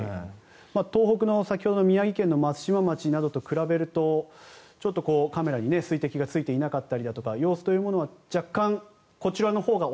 東北の、先ほどの宮城県松島町などと比べるとカメラに水滴がついていなかったりだとか様子というものは若干こちらのほうが